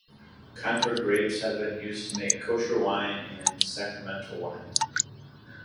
Concord grapes have been used to make Kosher wine and sacramental wine.